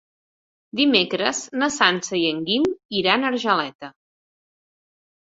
Dimecres na Sança i en Guim iran a Argeleta.